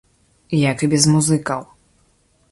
Як і без музыкаў.